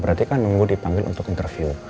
berarti kan nunggu dipanggil untuk interview